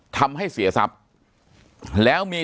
ปากกับภาคภูมิ